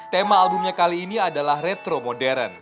tema albumnya kali ini adalah retro modern